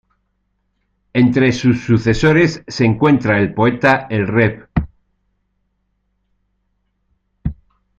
Entre sus sucesores se encuentra el poeta, el Rev.